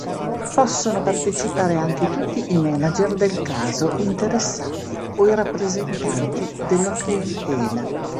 Possono partecipare anche tutti i manager del caso interessati o i rappresentanti della clientela.